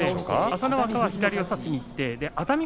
朝乃若は左を差しにいって熱海